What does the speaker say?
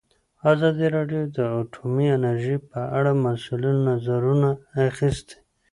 ازادي راډیو د اټومي انرژي په اړه د مسؤلینو نظرونه اخیستي.